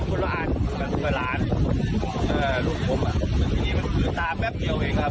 อุ๊ยนั่นไง